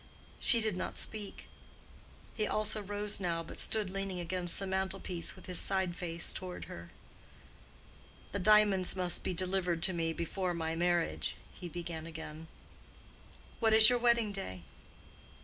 She did not speak. He also rose now, but stood leaning against the mantle piece with his side face toward her. "The diamonds must be delivered to me before my marriage," he began again. "What is your wedding day?"